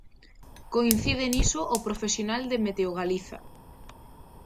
Coincide niso o profesional de Meteogaliza.